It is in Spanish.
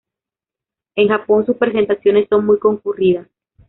En Japón sus presentaciones son muy concurridas.